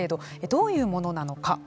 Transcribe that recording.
どういうものなのか。